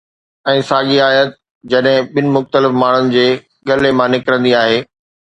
۽ ساڳي آيت جڏهن ٻن مختلف ماڻهن جي ڳلي مان نڪرندي آهي